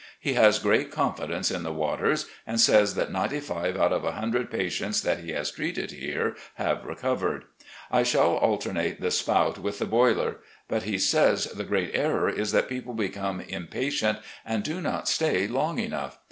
He has great con fidence in the waters, and says that 95 out of 100 patients that he has treated have recovered. I shall alternate the spout with the boiler. But he says the great error is that people become impatient and do not stay long enough.